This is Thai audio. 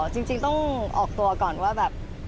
จริงต้องออกตัวก่อนว่าแบบ